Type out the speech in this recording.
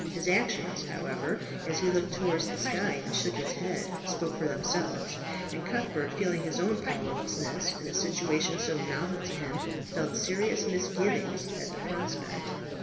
His actions, however, as he looked towards the sky, and shook his head, spoke for themselves, and Cuthbert, feeling his own powerlessness in a situation so novel to him, felt serious misgivings at the prospect.